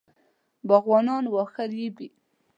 باغوانان واښه رېبي.